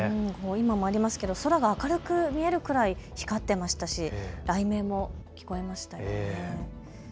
今もありますけど空が明るく見えるくらい光ってましたし、雷鳴も聞こえましたよね。